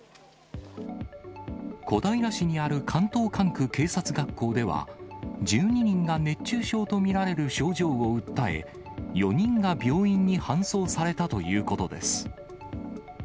小平市にある関東管区警察学校では、１２人が熱中症と見られる症状を訴え、４人が病院に搬送されたということです。